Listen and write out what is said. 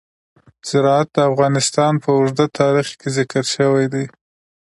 زراعت د افغانستان په اوږده تاریخ کې ذکر شوی دی.